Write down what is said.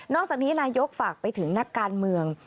จากนี้นายกฝากไปถึงนักการเมือง